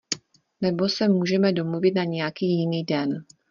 Nebo se můžeme domluvit na nějaký jiný den.